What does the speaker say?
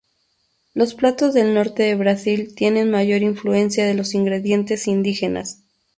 Los platos del norte de Brasil tienen mayor influencia de los ingredientes indígenas.